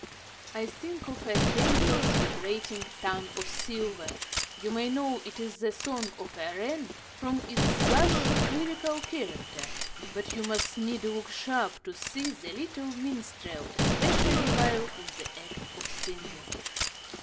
I think of a tremulous, vibrating tongue of silver. You may know it is the song of a wren from its gushing, lyrical character; but you must needs look sharp to see the little minstrel, especially while in the act of singing.